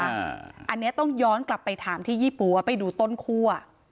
อันนี้ต้องย้อนกลับไปถามที่ยี่ปั๊วไปดูต้นคั่ว